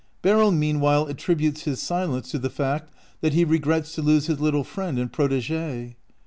Beryl meanwhile attributes his silence to the fact that he regrets to lose his little friend and protegee.